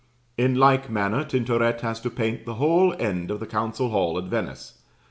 In like manner Tintoret has to paint the whole end of the Council Hall at Venice.